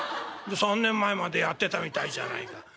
３年前までやってたみたいじゃないか。